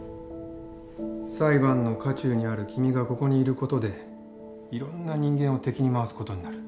裁判の渦中にある君がここにいることでいろんな人間を敵に回すことになる。